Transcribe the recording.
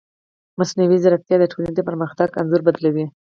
مصنوعي ځیرکتیا د ټولنې د پرمختګ انځور بدلوي.